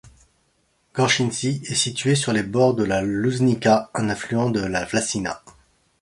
Gorčinci est situé sur les bords de la Lužnica, un affluent de la Vlasina.